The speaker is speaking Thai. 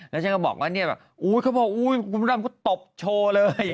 แล้วฉันก็บอกว่าเนี่ยแบบอุ๊ยเขาบอกอุ๊ยคุณพระดำก็ตบโชว์เลย